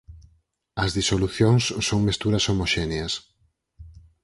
As disolucións son mesturas homoxéneas.